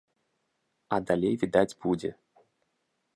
А далей відаць будзе.